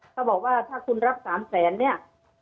เขาบอกว่าถ้าคุณรับ๓แสนเนี่ย